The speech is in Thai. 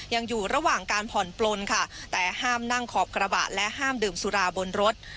ยังอยู่ระหว่างการผ่อนปลนค่ะแต่ห้ามนั่งขอบกระบะและห้ามดื่มสุราบนรถ